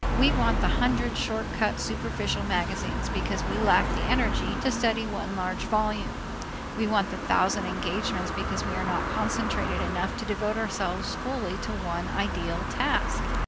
We want the hundred short cut superficial magazines because we lack the energy to study one large volume; we want the thousand engagements because we are not concentrated enough to devote ourselves fully to one ideal task.